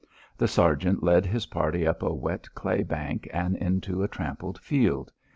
The sergeant led his party up a wet clay bank and into a trampled field.